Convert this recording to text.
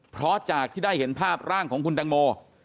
เพราะจากที่ได้เห็นภาพร่างของคุณตังโม